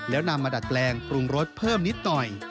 แล้วนำมาดัดแปลงปรุงรสเพิ่มนิดหน่อย